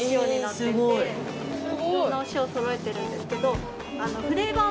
いろんなお塩そろえてるんですけど。